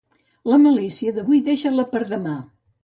La malícia d'avui, deixa-la per a demà.